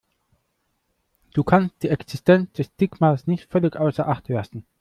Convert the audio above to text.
Du kannst die Existenz des Stigmas nicht völlig außer Acht lassen.